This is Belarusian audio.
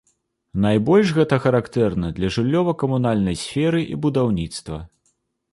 Найбольш гэта характэрна для жыллёва-камунальнай сферы і будаўніцтва.